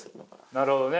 なるほどね。